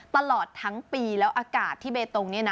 ตลอดทั้งปีแล้วอากาศที่เบตงเนี่ยนะ